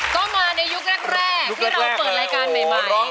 ก็มาในยุคแรกที่เราเปิดรายการใหม่